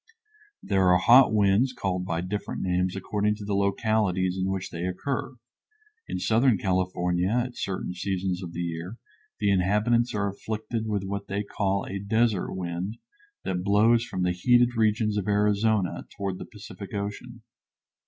There are hot winds called by different names according to the localities in which they occur. In southern California at certain seasons of the year the inhabitants are afflicted with what they call a desert wind that blows from the heated regions of Arizona toward the Pacific Ocean.